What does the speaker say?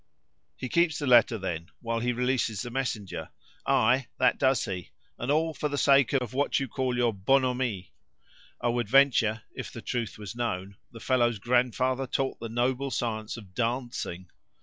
"He keeps the letter, then, while he releases the messenger?" "Ay, that does he, and all for the sake of what you call your 'bonhommie.' I would venture, if the truth was known, the fellow's grandfather taught the noble science of dancing."